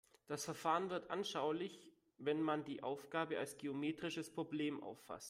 Das Verfahren wird anschaulich, wenn man die Aufgabe als geometrisches Problem auffasst.